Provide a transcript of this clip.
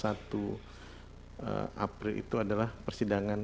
satu april itu adalah persidangan